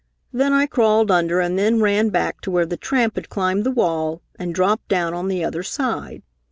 Then I crawled under and then ran back to where the tramp had climbed the wall and dropped down on the other side.